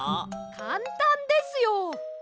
かんたんですよ！